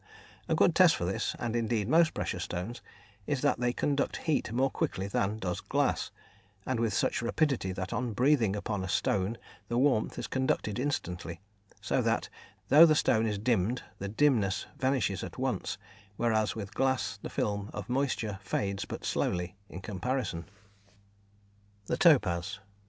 A good test for this, and indeed most precious stones, is that they conduct heat more quickly than does glass, and with such rapidity that on breathing upon a stone the warmth is conducted instantly, so that, though the stone is dimmed the dimness vanishes at once, whereas with glass the film of moisture fades but slowly in comparison. _The Topaz.